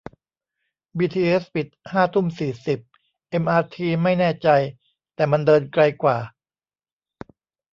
บีทีเอสปิดห้าทุ่มสี่สิบ เอ็มอาร์ทีไม่แน่ใจ แต่มันเดินไกลกว่า